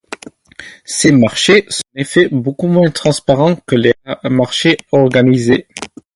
Ces marchés sont en effet beaucoup moins transparents que les marchés organisés.